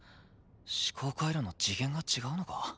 思考回路の次元が違うのか？